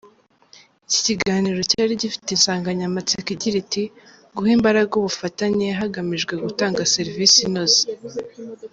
Iki kiganiro cyari gifite insanganyamatsiko igira iti:”Guha imbaraga ubufatanye hagamijwe gutanga serivisi inoze”.